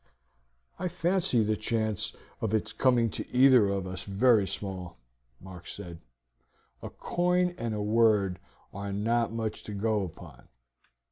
"I fancy the chance of its coming to either of us is very small," Mark said; "a coin and a word are not much to go upon.